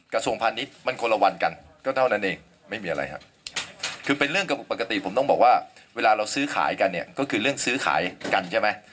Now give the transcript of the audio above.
กระทรวงพาณิชย์มันคนละวันกันก็เท่านั้นเองไม่มีอะไรฮะคือเป็นเรื่องปกติผมต้องบอกว่าเวลาเราซื้อขายกันเนี่ยก็คือเรื่องซื้อขายกันใช่ไหม